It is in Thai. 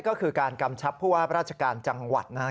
ก็คือการกำชับผู้ว่าราชการจังหวัดนะครับ